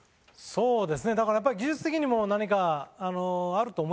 そうですねだからやっぱり技術的にも何かあると思いますね。